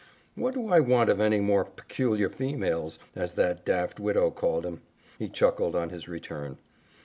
"What do I want of any more 'peculiar females,' as that daft widow called 'em?" he chuckled on his return.